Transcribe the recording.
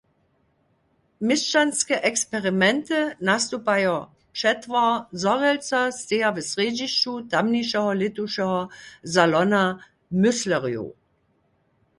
Měšćanske eksperimenty nastupajo přetwar Zhorjelca steja w srjedźišću tamnišeho lětušeho salona myslerjow.